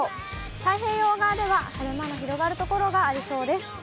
太平洋側では晴れ間が広がる所がありそうです。